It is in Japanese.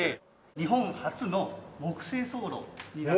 日本初の木製走路になって。